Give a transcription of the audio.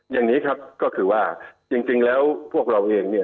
อย่างนี้ครับก็คือว่าจริงแล้วพวกเราเองเนี่ย